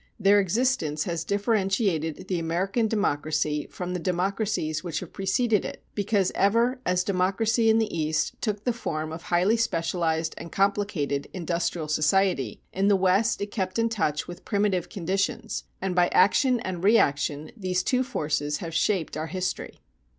Their existence has differentiated the American democracy from the democracies which have preceded it, because ever, as democracy in the East took the form of highly specialized and complicated industrial society, in the West it kept in touch with primitive conditions, and by action and reaction these two forces have shaped our history.